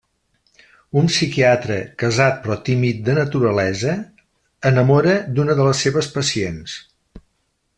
Un psiquiatre, casat però tímid de naturalesa, enamora d'una de les seves pacients.